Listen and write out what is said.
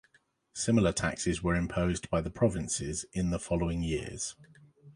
Similar taxes were imposed by the provinces in the following years.